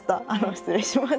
失礼します。